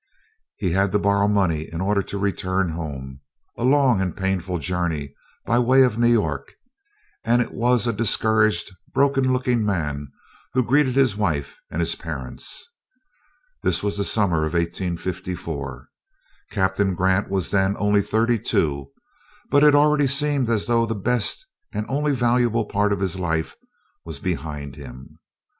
He had to borrow money in order to return home, a long and painful journey by way of New York, and it was a discouraged, broken looking man who greeted his wife and his parents. This was the summer of 1854. Captain Grant was then only thirty two, but it already seemed as though the best and only valuable part of his life was behind him.